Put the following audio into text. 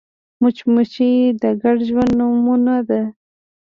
مچمچۍ د ګډ ژوند نمونه ده